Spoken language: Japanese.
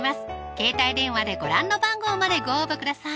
携帯電話でご覧の番号までご応募ください